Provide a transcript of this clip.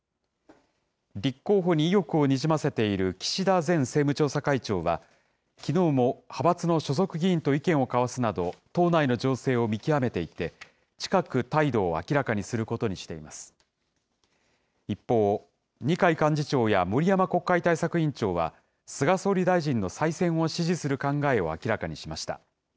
立候補に意欲をにじませている岸田前政務調査会長は、きのうも派閥の所属議員と意見を交わすなど、党内の情勢を見極めていて、近く態度を明らかにすることにしています。一方、二階幹事長や森山国会対策委員長は、菅総理大臣の再選を支持する考えを明らかにしました。